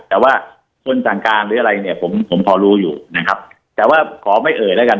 แต่ว่าคนสั่งการหรืออะไรเนี่ยผมผมขอรู้อยู่นะครับแต่ว่าขอไม่เอ่ยแล้วกัน